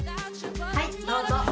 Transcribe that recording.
はいどうぞ。